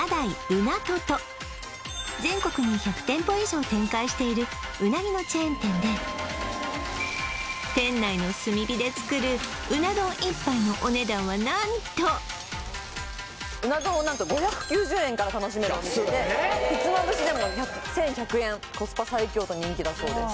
全国に１００店舗以上展開しているうなぎのチェーン店で店内の炭火で作るうな丼一杯のお値段は何とうな丼を何と５９０円から楽しめるお店でひつまぶしでも１１００円コスパ最強と人気だそうです